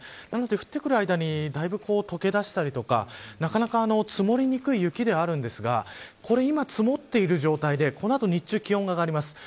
なので、降ってくる間にだいぶ解けだしたりとかなかなか積もりにくい雪ではあるんですが今、積もっている状態でこの後、日中気温が上がります。